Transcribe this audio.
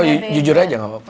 oh jujur aja nggak apa apa